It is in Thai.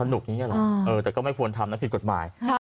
นุกอย่างนี้หรอแต่ก็ไม่ควรทำนะผิดกฎหมาย